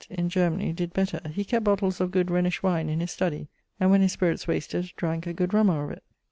in Germany did better; he kept bottles of good Rhenish wine in his studie, and, when his spirits wasted, dranke a good rummer of it.